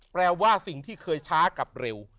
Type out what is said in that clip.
แปลว่าสิ่งที่เคยช้ากับเร็ว